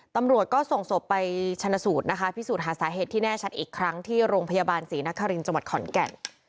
ตำรวจก็ส่งศพไปชนะสูตรนะคะพิสูจน์หาสาเหตุที่แน่ชัดอีกครั้งที่โรงพยาบาลศรีนครินทร์จังหวัดขอนแก่น